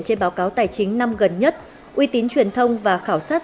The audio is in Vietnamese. trên báo cáo tài chính năm gần nhất uy tín truyền thông và khảo sát